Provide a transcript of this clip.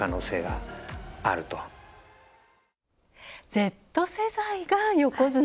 Ｚ世代が横綱。